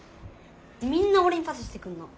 みんなおれにパスしてくんの。